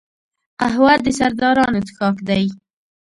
قهوه د سردارانو څښاک دی